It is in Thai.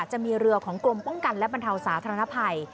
จะมีเรือของกรมป้องกันและบรรเทาสาธารณภัย